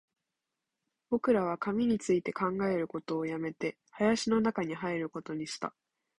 僕らは紙について考えることを止めて、林の中に入ることにした